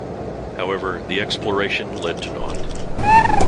However, the exploration led to naught.